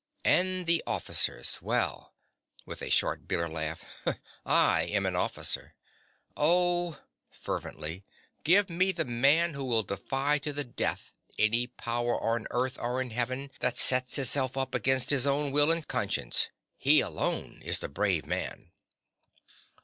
And the officers!— well (with a short, bitter laugh) I am an officer. Oh, (fervently) give me the man who will defy to the death any power on earth or in heaven that sets itself up against his own will and conscience: he alone is the brave man.